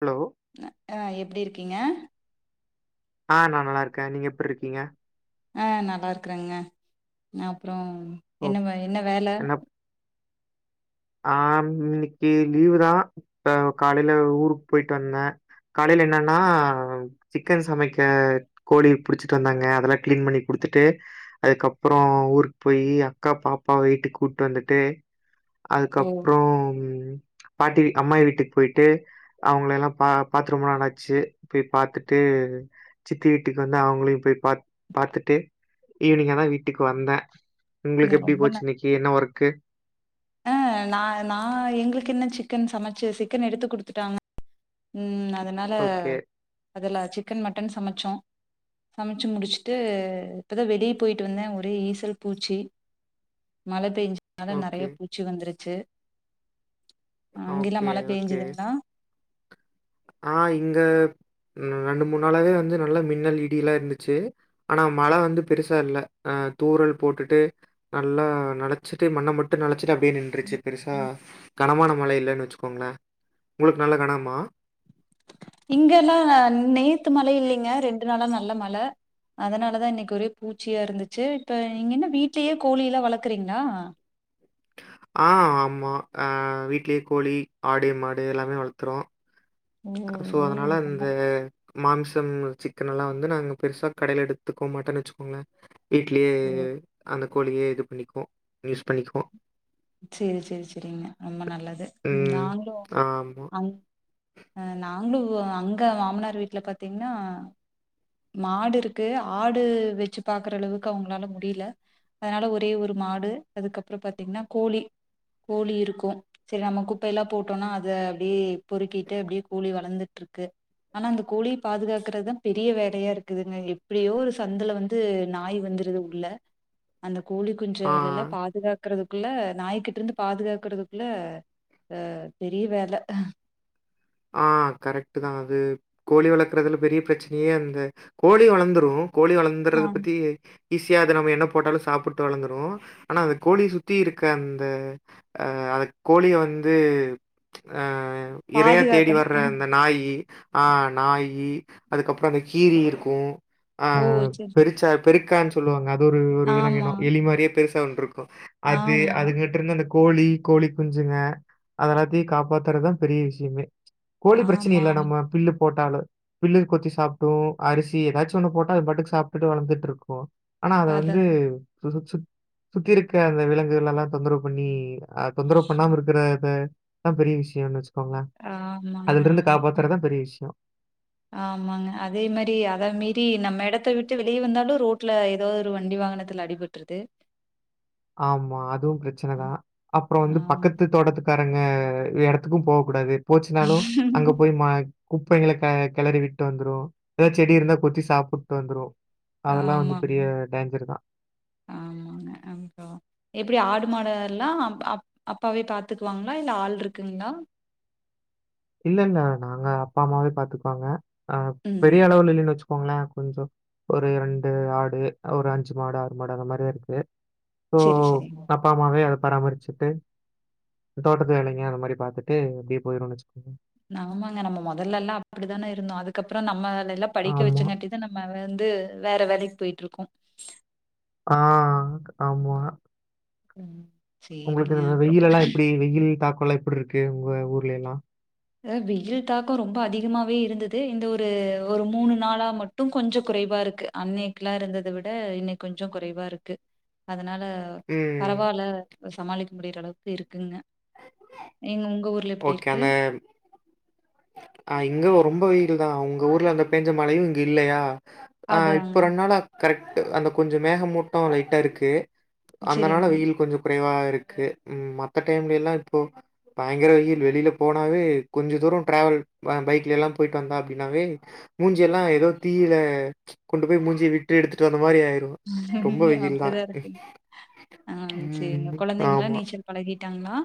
Hello அ எப்டி இருக்கீங்க ஆ நா நல்லா இருக்கே நீங்க எப்புருக்கீங்க அ நல்லா இருக்கறேங்க அப்புற ஓ என்ன என்ன வேல என்ன ஆ இன்னைக்கு லீவு தா இப்ப காலையில ஊருக்கு போய்ட்டு வந்தே காலையில என்னனா சிக்கன் சமைக்க கோழி புடிச்சிட்டு வந்தாங்க அதெல்லா கிளீன் பண்ணி குடுத்துட்டு அதுக்கப்புறோ ஊருக்கு போய் அக்கா பாப்பாவ வீட்டுக் கூட்டி வந்துட்டு ஓ அதுக்கப்புறம் பாட்டி அம்மாயி வீட்டுக்கு போய்ட்டு அவுங்கள எல்லா பா பாத்து ரொம்ப நாளாச்சு போய் பாத்துட்டு சித்தி வீட்டுக்கு வந்து அவுங்களையும் போய் பா பாத்துட்டு ஈவினிங்கா தா வீட்டுக்கு வந்தே உங்களுக்கு என்ன எப்டி ரொம்ப போச்சு இன்னிக்கி என்ன ஒர்க்கு அ நா நா எங்களுக்கு என்ன சிக்கன் சமைச்சு சிக்கன் எடுத்து குடுத்துட்டாங்க ம் அதனால ஓகே, அதுல சிக்கன் மட்டன் சமச்சோம் சமச்சு முடிச்சிட்டு இப்போ தா வெளிய போய்ட்டு வந்தே ஒரே ஈசல் பூச்சி மழ பெஞ்சு அதா ஓகே, நெறயா பூச்சி வந்துருச்சு அங்கெல்லா ஓகே, மழ ஓகே. பேஞ்சதுங்களா ஆ இங்க ரெண்டு மூணு நாளாவே வந்து நல்லா மின்னல் இடி எல்லாம் இருந்துச்சு ஆனா மழை வந்து பெருசா இல்ல அ தூறல் போட்டுட்டு நல்லா நனச்சு ட்டு மண்ணை மட்டும் நனச்சுட்டு அப்டியே நின்றுச்சு பெருசா கனமான மழை இல்லன்னு வச்சுக்கோங்களேன் உங்களுக்கு நல்ல கனமா இங்கெல்லா நேத்து மழ இல்லங்க ரெண்டு நாளா நல்ல மழ அதனால தா இன்னிக்கி ஒரே பூச்சியா இருந்துச்சு இப்ப நீங்க என்ன வீட்லயே கோழியிலா வளக்குறீங்களா ஆ ஆமா ஆ வீட்லயே கோழி ஆடு மாடு எல்லாமே வளர்த்துறோம் ம் சோ அதனால ம் அந்த ரொம்ப மாம்சம் சிக்கன் எல்லாம் வந்து நாங்க பெருசா கடையில எடுத்துக்க மாட்டோம்ன்னு வச்சுக்கோங்களேன் வீட்லயே ம் அந்த கோழியே இது பண்ணிக்குவோம் யூஸ் பண்ணிக்குவோம் சேரி சேரி செரிங்க ரொம்ப நல்லது ம். நாங்களும் ஆமா. அ நாங்களும் அங்க மாமனார் வீட்ல பார்த்தீங்கன்னா மாடு இருக்கு ஆடு வச்சு பாக்குற அளவுக்கு அவுங்களால முடில அதனால ஒரே ஒரு மாடு அதுக்கப்புறம் பாத்தீங்கன்னா கோழி கோழி இருக்கும் செரி நம்ம குப்பை எல்லாம் போட்டோம்னா அதை அப்படியே பொறுக்கிட்டு அப்டியே வளர்ந்துட்டு இருக்கு ஆனா அந்த கோழி பாதுகாக்குறதுதான் பெரிய வே நிறையா இருக்குதுங்க எப்டியோ ஒரு சந்துல வந்து நாய் வந்துருது உள்ள அந்த கோழி ஆ, குஞ்சுகள் எல்லாம் பாதுகாக் குறதுக்குள்ள நாய்க்கிட்ட இருந்து பாதுகாக்குறதுக்குள்ள அ பெரிய வேலை ஆ கரெக்ட்டு தான் அது கோழி வளர்க்குறதுல பெரிய பிரச்சனையே அந்த கோழி வளர்ந்துரும் கோழி ஆ வளர்ந்துறது பத்தி ஈஸியா அது நம்ம என்ன போட்டாலும் சாப்பிட்டு வளர்ந்துரும் ஆனா அந்த கோழி சுத்தி இருக்க அந்த அ அது கோழிய வந்து அ இரையா தேடி பாதுகாக்கணும் வர்ற ம் அந்த நாயி ஆ நாயி அதுக்கப்பறம் அங்க கீரி இருக்கும் ஆ ஓ சரி ச பெருசா பெருக்கான்னு சொல்லுவாங்க அது ஒரு ஆமா விலங்கினம் எளி மாதிரியே பெருசா ஒன்னு இருக்கும் அது ஆமா அது கிட்டி இருந்து கோழி கோழி குஞ்சுங்க அத எல்லாத்தையும் காப்பாத்துறதுதான் பெரிய விஷயமே கோழி பிரச்சனை ஆமா இல்ல ஆமா நம்ம பில்லு போட்டாலும் பில்லையும் கொத்தி சாப்டுரும் அரிசி ஏதாச்சும் ஒண்ணு போட்டா அது பாட்டுக்கு சாப்பிட்டு வளர்ந்துட்டு இருக்கும் ஆனா அது அதா வந்து சு சு சு சுத்தி இருக்க அந்த விலங்குகள் எல்லாம் தொந்தரவு பண்ணி அத தொந்தரவு பண்ணாம இருக்கறததான் பெரிய விஷயம்னு வச்சுக்கோங்கல ஆமாங்க ஆமா ம் விஷயம். ஆமாங்க அதே மேரி அத மேரி நம்ம இடத்த விட்டு வெளியே வந்தாலும் ரோட் ரோட்டுல ஏதோ ஒரு வண்டி வாகனத்துல அடிபட்டுறுது ஆமா அதுவும் ம். பிரச்சனைதான் அப்புறம் வந்து ஆமா பக்கத்து தோட்டத்து க்காரங்க இடத்துக்கும் போக கூடாது போச்சுனாலும் அங்க போய் குப்பைங்கள கெ கெளறி விட்டு வந்துரும் ஏதாவது செடி இருந்தா கொத்தி சாப்பிட்டு வந்துரும் அதெல்லாம் வந்து ஆமாங்க பெரிய டேஞ்சர் தான். ஆமாங்க அதா எப்டி ஆடு மாடு எல்லா அப் அப்பாவே பாத்துக்குவாங்ளா இல்ல ஆள் இருக்குங்ளா இல்ல இல்ல நாங்க அப்பா அம்மாவே பாத்துக்குவாங்க அ ம் பெரிய அளவு இல்லன்னு வச்சு கோங்ள கொஞ்சோ ஒரு ரெண்டு ஆடு ஒரு அஞ்சு மாடு ஆறு மாடு அந்த மாதிரி தா இருக்கு ஓ செரி அப் செரிங்க அப்பா அம்மாவே அத பராமரிச்சுட்டு தோட்டத்து வேலைங்க அந்த மாரி பாத்துட்டு அப்டியே போயிடுனு வச்சுக் நாமாங்க நம்ம மொதல்லல்லா அப்டிதான இருந்தோ அதுக்கப்புறோ நம்மள நல்லா படிக்க ஆமா. வச்சுங்காட்டி இப்ப நம்ம வந்து வேற வேலைக் போயிட்டு இருக்கோ ஆ ஆமா ம் உங்களுக்கு செரிங்க இந்த அப்றோ வெயிலெல்லாம் எப்படி வெயில் தாக்கோல்லா எப்பட்ருக்கு உங்க ஊர்லே எல்லா அ வெயில் தாக்கோ ரொம்ப அதிகமாவே இருந்துது இந்த ஒரு ஒரு மூணு நாளா மட் டும் கொஞ்சோ குறைவா இருக்கு அன்னைக்குல்லா இருந்தத விட இன்னைக் கொஞ்சோ குறைவா இருக்கு அதனால அ ம். பரவால இப்ப சமாளிக்க முடியிற அளவுக்கு இருக்குங்க ஏங்க உங்க ஊர் ஓகே மேம் அ இங்க ரொம்ப வெயில் தா உங்க ஊர்ல அந்த பெஞ்ச மழையு இங்க இல்லையா ஆ அதாங்க. இப்ப ரெண்டு நாளா கரெக்ட்டு அந்த கொஞ்சோ மேகமூட்டோ லைட்டா இருக்கு அந்தனால சரிங்க. வெயில் கொஞ்சோ குறைவா இருக்கு ம் மத்த டைம்ல எல்லா இப்போ பயங்கர வெயில் வெளில போனாவே கொஞ்ச தூரோ ட்ராவல் அ பைக்ல எல்லா போயிட்டு வந்தா அப்டின்னாவே மூஞ்சியெல்லா ஏதோ தீயில கொண்டு போய் மூஞ்சிய விட்டு எடுத்துட்டு வந்த மாரி ஆயிரோ அப்டிதா இருக்கு அ சரிங்க ம். கொழந்தைங்கலா ஆமா. நீச்சல் பழகிட்டாங்ளா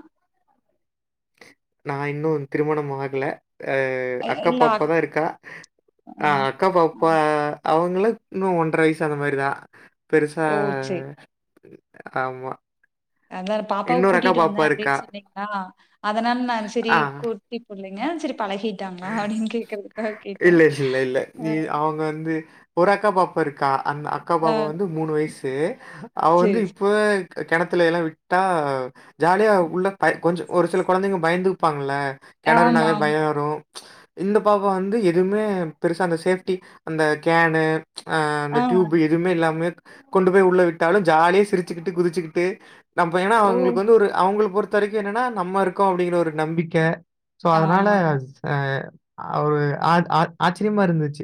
நா இன்னு திருமணம் ஆகல அ அ அ அக்கா இல்ல பாப்பா அக் தா இருக்கா அ அக்கா அ. பாப்பா அவங்கள இன்னு ஒன்ற வயசு அந்த மாரிதா பெருசா ஓ! சரி. ஆமா அதா பாப்பாவ இன்னொரு அக்கா கூட்டிட்டு வந்தே பாப்பா இருக்கா. அப்டின் சொன்னீங்ளா அதனால நா சரி ஆ. குட் டி புள்ளைங்க சரி பழகிட்டாங்ளா அப்டின் கேக்கறது இல்ல இல்ல இல்ல இ அவுங்க வந்து ஒரு அக்கா பாப்பா இருக்கா அந்த அக்கா அ பாப்பா வந்து மூணு வயசு அவ வந்து சரி, சரி. இப்ப கெ கெணத்துல எல்லா விட்டா ஜாலியா உள்ள ப கொஞ்சோ ஒரு செல கொழந்தைங்க பயந்துப்பாங்கல்ல ஆமா, கெணறுனாவே பயோ ஆமா. வரு இந்த பாப்பா வந் வந்து எதுவுமே பெருசா அந்த சேஃப்டி அந்த கேனு ஆ அந்த டியூப்பு எ எதுவுமே இல்லாம கொண்டு போய் உள்ள விட்டாலும் ஜாலியா சிரிச்சுக்கிட்டு குதிச்சுக்கிட்டு நம்ப ஏனா ஓ! அவங்ளுக்கு வந்து ஒரு அவங்கள பொறுத்த வரைக்கு என்னன்னா நம்ம இருக்கோ அப்டிங்கிற ஒரு நம்பிக்க சோ அதனால ஆமாங்க. அ அஒரு ஆ ஆ ஆச்சரியமா இருந்துச்சி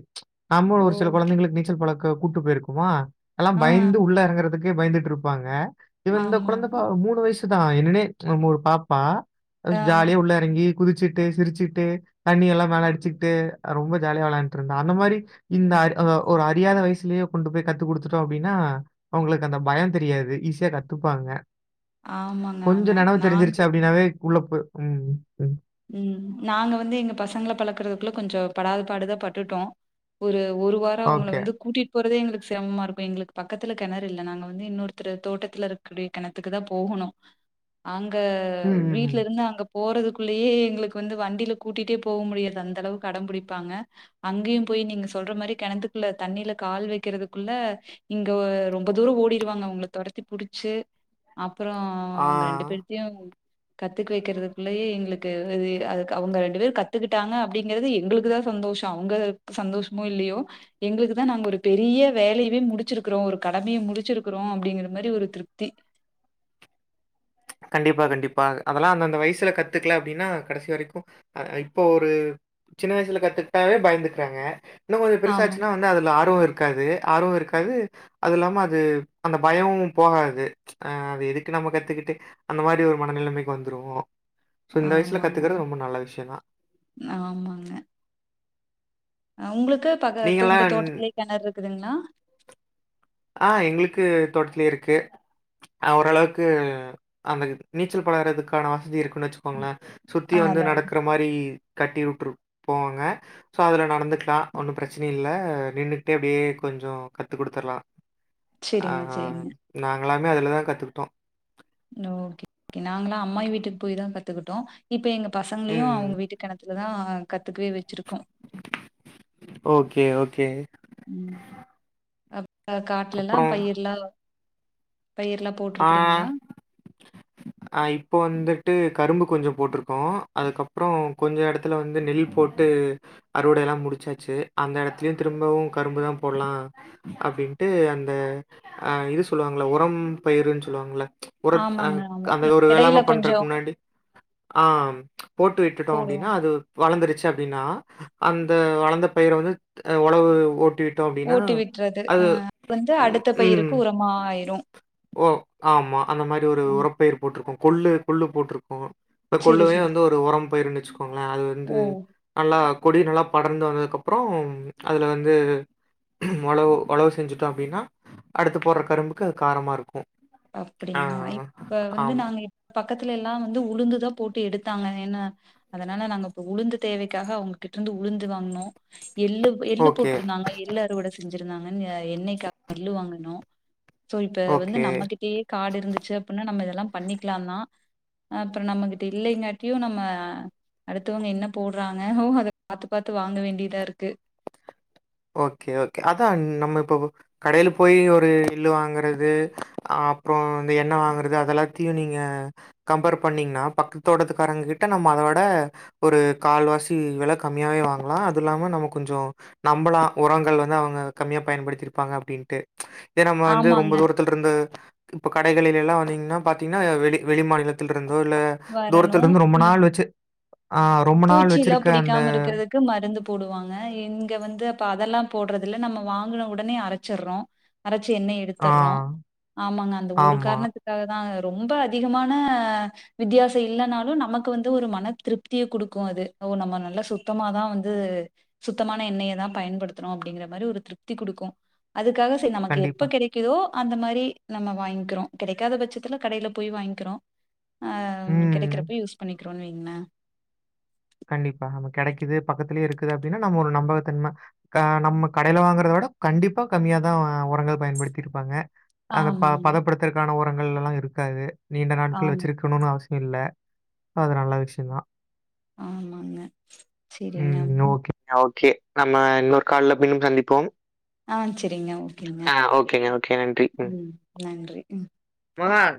நாமு ஒரு சில ஓகே. கொழந்தைங்களுக்கு நீச்சல் பழக்க கூட்டு போயிருக்குமா எல்லா ஆ, பயந்து உள்ள எறங்கறதுக்கே பயந்துட்டு இருப் பாங்க இவ இந்த ஆமாமா. கொழந்தைப்பா மூணு வயசுதா என்னனே நம்ம ஒரு பாப்பா ஆ, ஸ் ஜாலியா உள்ள எறங்கி குதிச்சிட்டு சிரிச்சிட்டு தண்ணி எல்லா மேல அடிச்சி டு ரொம்ப ஜாலியா வெளாண்ட்டு இருந்தா அந்த மாரி இந்த ம். அடு அ ஒரு அறியாத வயசுலே கொண்டு போய் கத்து குடுத்துட்டோ அப்டின்னா அவுங்களுக் அந்த பயோ தெரியாது ஈஸியா கத்துப்பாங்க ஆமாங்க, கொஞ்சோ ஆமா. நெனவு நாங்க தெரிஞ்சிருச்சு அப்டின்னாவே உள்ள போ ம் ம் ம் நாங்க வந்து எங்க பசங்கள பழக்கறதுக்குள்ள கொஞ்சோ படாத பாடுதா பட்டுட்டோ ஒரு ஒரு வாரம் உங்கள ஓகே. வந்து கூட்டிட் போறதே எங்களுக்கு சிரமமா இருக்கு எங்களுக்கு பக்கத்துல்ல கிணறு இல்ல நாங்க வந்து இன்னொருத்தர் தோட்டத்துல இருக்கூடிய கிணத்துக்கு தா போகனோ அங்க ம், ம், ம். வீட்ல இருந்து அங்க போறது க்குள்ளயே எங்களுக்கு வந்து வண்டியில கூட்டிட்டே போ முடியாது அந்த அளவுக்கு அடம் பிடிப்பாங்க அங்கயு போய் நீங்க சொல்ற மாரி கிணத்துக்குள்ள தண்ணியில கால் வைக்கிறதுக்குள்ள இங்க ரொம்ப தூரோ ஓடிருவாங்க அவங்ள தொரத்தி புடிச்சு அப்றோ அவுங்க ஆ. ரெண்டு பேர்த்தையு கத்துக்க வைக்கிறதுக்குள்ளயே எங்களு க்கு அது அதுக்கு அவுங்க ரெண்டு பேர் கத்துக்கிட்டாங்க அப்டிங்குறது எங்களுக்கு தா சந்தோஷோ அவுங்க சந்தோஷமோ இல்லயோ எங்களுக்கு தா நாங்க ஒரு பெரிய வேலயவே முடிச்சிருக்குறோ ஒரு கடமைய முடிச்சிருக்குறோ அப்டிங்கிற மாரி ஒரு திருப்தி கண்டிப்பா கண்டிப்பா அதெல்லா அந்த அந்த வயசுல கத்துக்கல அப்டின்னா கடைசி வரைக்கு அ இப்போ ஒரு சின்ன வயசுல கத்துக்கிட்டாவே பயந்துக்குறாங்க இன்னோ கொஞ்சோ ஆமா பெருசாச்சுன்னா இன்ன அதுல ஆர்வோ இருக்காது ஆர்வோ இருக்காது அது இல்லாம அது அந்த பயவோ போகாது அ அது எதுக்கு நம்ம கத்துக்கிட்டு அந்த மாரி ஒரு மனநிலைமைக்கு வந்துருவோ ஸோ இந்த வயசுல ஆமாங்க கத்துக்கிறது ரொம்ப நல்ல விஷயோ தா ஆமாங்க உங்களுக்கு பக்க உங்க நீங்கலாம் தோட்டத்துலேயே கெணறு இருக்குதுங்களா ஆ எங்களுக்கு தோட்டத்லேயே இருக்கு அ ஓரளவுக்கு அந்த நீச்சல் பலறதுக்கான வசதி இருக்குன்னு வெச்சுக்கோங்களேன் சுத்தி ஆ வந்து அதா நடக்கற மாரி கட்டி விட்டுரு போவாங்க சோ அதுல நடந்துக்கலாம் ஒன்னும் பிரச்சன இல்ல நின்னுகிட்டே அப்டியே கொஞ்சம் கத்து கொடுத்துடலா ஆ செரிங்க செரிங்க நாங்களாமே அதுலதான் கத்துக்கிட்டோ ஓகே கே நாங்களல்லாம் அம்மாய் வீட்டுக்கு போய் தான் கத்துக்கிட்டோம் இப்ப எங்க பசங்களையும் ம். அவங்க வீட்டு கெணத்துல தா கத்துக்கவே வெச்சிருக்கோ ஓகே ஓகே ம் அ காட்ல்லாம் அப்புறம் பயிர்லாம் பயிர்லாம் ஆ அ இப்போ வந்துட்டு கரும்பு கொஞ்சோ போட்டிருக்கோ அதுக்கப்றோ கொஞ்சோ எடத்துல வந்து நெல் போட் டு அறுவடை எல்லா முடிச்சாச்சு அந்த இடத்துலயும் திரும்பவும் கரும்பு தான் போடலா அப்டின்ட்டு அந்த இது சொல்லுவாங்கள உரம் பயிருன்னு சொல்லுவாங்கல உற அ ஆமாங்க ஆமா அந்த ஒரு எடையில வேளாம கொஞ்சோ பண்றக்கு முன்னாடி ஆம் போட்டு விட்டுட்டோம் போடுவோ அப்டின்னா அது வளந்துருச்சு அப்டின்னா அந்த வளந்த பயிர வந்து ஒழவு ஓட்டிவிட் ஓட்டி விட்றது ஆ வந்து ம். அடுத்த ம், பயிருக்கு உரமா ஆயிரும் ஓ ஆமா அந்த மாரி ஒரு உரப்பயிர் போட்டிருக்கோம் கொள்ளு கொள்ளு போட்ருபோம் இந்த செரி கொள்ளுவே செரி வந்து ஒரு ஒரம் பயிருன்னு வெச்சுக்கோங்களேன் அது வந்து ஓ நல்லா கொடி நல்லா படர்ந்து வந்ததுக்கப்றோம் அதில வந்து ஒளவு ஒளவு செஞ்சுட்டோம் அப்டின்னா அடுத்து போட்ற கரும்புக்கு அது காரமா இருக்கும் ஆ அப்டின்ங்களா இப்ப வந்து ஆமா. நாங்க பக்கத்துல எல்லா வந்து உளுந்துதான் போட்டு எடுத்தாங்க என்ன அதனால நாங்க இப்ப உளுந்து தேவைக்காக அவங்ககிட்ட இருந்து உளுந்து வாங்கினோம் எள்ளு எள்ளு ஓகே, போட்டிருந்தாங்க எள்ளு அறுவட செஞ்சிருந்தாங்கன்னு எண்ணயக்கு எள்ளு வாங்கனோ சோ இப்ப வந்து ஓகே. நம்மகிட்டயே காடு இருந்துச்சு அப்டின்னா நம்ம இதெல்லாம் பண்ணிக்கலாம் தான் அப்பறம் நம்மகிட்ட இல்லைங்காட்டியும் நம்ம அடுத்தவங்க என்ன போடுறாங்க அத பாத்து பாத்து வாங்க வேண்டியதா இருக்கு ஓகே ஓகே அதா நம்ம இப்போ கடைல போயி ஒரு எள்ளு வாங்கறது அ அப்பறோ இந்த எண்ணெ வாங்குறது அத எல்லாத்தையு நீங்க கம்பேர் பண்ணீங்கன்னா பக்கத்தோட்டத்துக்காரங்க கிட்ட நம்ம அதோட ஒரு கால்வாசி வெல கம்மியாவே வாங்கலா அது இல்லாம நம்ம கொஞ்சோ நம்மலா உரங்கள் வந்து அவங்க கம்மியா பயன்படுத்திருப்பாங்க அப்டின்ட்டு இத நம்ம வந்து ரொம்ப ஆமாங்க தூரத் ல இருந்து இப்ப கடைகளில எல்லா வந்தீங்கன்னா பாத்தீங்கன்னா வெளி வெளி மாநிலத்தில் இருந்தோ இல்ல வரணு தூரத்துல இருந்து ரொம்ப நாள் வச்சு ஆ ரொம்ப நாள் பூச்சி எல்லா வச்சிருக்க அந்த புடிக்காம இருக்கிறது க்கு மருந்து போடுவாங்க இங்க வந்து அப்ப அதெல்லா போடுறதுல நம்ம வாங்குன உடனே அரைச்சுடுறோ அரைச்சு என்ன ஆ எடுத்துறோ ஆமாங்க அந்த ஒரு ஆமா. காரணத்துக்கு காக தா ரொம்ப அதிகமான வித்தியாச இல்லனாலு நமக்கு வந்து ஒரு மன திருப்திய குடுக்கு இருக்கு அது ஒ நம்ம நல்லா சுத்தமாதா வந்து சுத்தமான எண்ணெயை தா பயன்படுத்தணு அப்டிங்கிற மாதிரி ஒரு திருப்தி குடுக்கு அதுக்காக சரி நமக்கு கண்டிப்பா. எப்ப கெடைக் குதோ அந்த மாரி நம்ம வாங்கிக்கிறோ கெடைக்காத பட்சத்துல கடையில போய் வாங்கிக்கிறோ ஆம் ம். கெடைக்கிறப்ப யூஸ் பண்ணிக்கிறோனு வைங்களா கண்டிப்பா நம்ம கெடைக்குது பக்கத்துலேயே இருக்குது அப்டின்னா நம்ம ஒரு நம்பகத்தன்ம கா நம்ம கடையில வாங்குறத விட கண்டிப்பா கம்மியாதா உரங்கள் பயன்படுத்தி இருப்பாங்க அந்த ப ஆமாங்க பதப்படுத்துற்கான உரங்கள் எல்லா இருக்காது நீண்ட ஆமா நாட்கள் வச்சிருக்க இருக்கணுனு அவசிய இல்ல அது நல்ல விஷயந்தா ஆமாங்க சரிங்க ம் அப்புறம் ஓகே ஓகே நம்ம இன்னொரு காள்ல பின்னு சந்திப்போ ஆ சரிங்க ஓகேங்க ஓகே. ம் நன்றி ம் மகான்